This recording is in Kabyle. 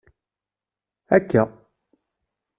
Akka.